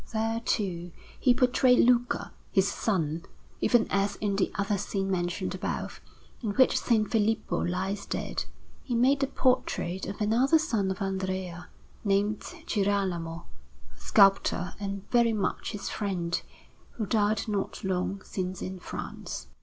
There, too, he portrayed Luca, his son; even as in the other scene mentioned above, in which S. Filippo lies dead, he made a portrait of another son of Andrea, named Girolamo, a sculptor and very much his friend, who died not long since in France.